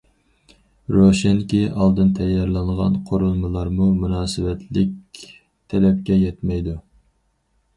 روشەنكى، ئالدىن تەييارلانغان قورۇمىلارمۇ مۇناسىۋەتلىك تەلەپكە يەتمەيدۇ.